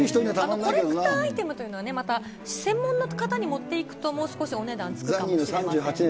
コレクターアイテムというのは、また専門の方に持っていくと、もう少しお値段つくかもしれませんね。